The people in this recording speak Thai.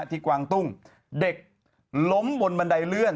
กวางตุ้งเด็กล้มบนบันไดเลื่อน